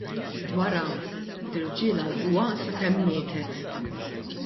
Wara, l-irġiel għallquha sakemm mietet.